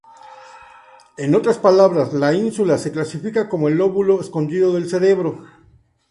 En otras palabras, la ínsula se clasifica como el lóbulo escondido del cerebro.